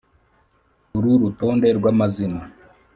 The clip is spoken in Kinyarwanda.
Uru rutonde rw amazina